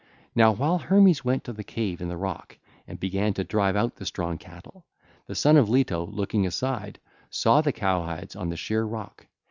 Now while Hermes went to the cave in the rock and began to drive out the strong cattle, the son of Leto, looking aside, saw the cowhides on the sheer rock.